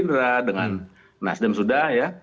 dengan nasdem sudah ya